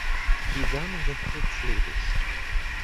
Die Samen sind kurzlebig.